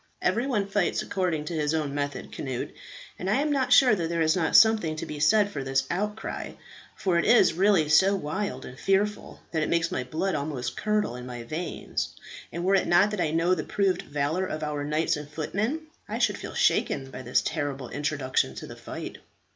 "Every one fights according to his own method, Cnut; and I am not sure that there is not something to be said for this outcry, for it is really so wild and fearful that it makes my blood almost curdle in my veins; and were it not that I know the proved valour of our knights and footmen, I should feel shaken by this terrible introduction to the fight."